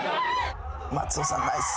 松尾さんナイス。